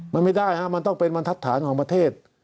มันไม่ได้ฮะมันต้องเป็นบรรทัศนของประเทศ